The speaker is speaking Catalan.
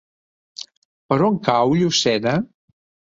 Per on cau Llucena?